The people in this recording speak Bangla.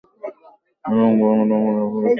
এবং এটা পুরোপুরি ফৌজদারি মামলায় পরিণত হয়েছে।